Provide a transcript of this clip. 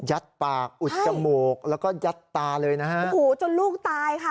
ปากอุดจมูกแล้วก็ยัดตาเลยนะฮะโอ้โหจนลูกตายค่ะ